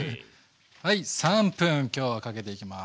３分今日はかけていきます。